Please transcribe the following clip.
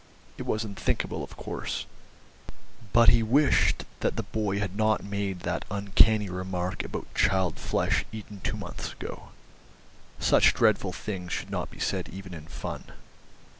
It was unthinkable, of course, but he wished that the boy had not made that uncanny remark about child flesh eaten two months ago. Such dreadful things should not be said even in fun.